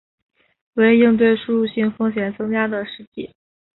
为应对输入性风险增加的实际